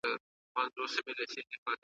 په زحمت چي پکښي اخلمه ګامونه ,